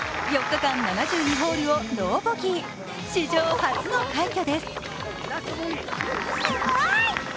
４日間７２ホールをノーボギー、史上初の快挙です。